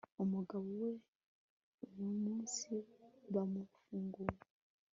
umugabo we uyumunsi bamufunguye